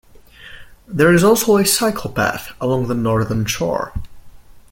There is also a cycle path along the northern shore.